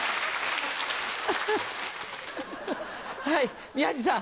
はい宮治さん。